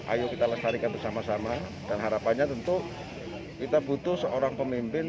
ayo kita lestarikan bersama sama dan harapannya tentu kita butuh seorang pemimpin